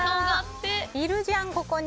いるじゃん、ここに。